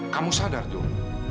kamu sadar tuh